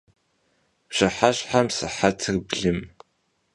Pşıheşhem sıhetır blım.